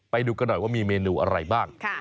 ไปดูกันหน่อยว่ามีเมนูอะไรบ้าง